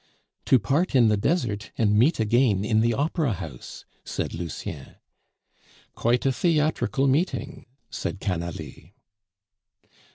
"To part in the desert, and meet again in the opera house!" said Lucien. "Quite a theatrical meeting!" said Canalis.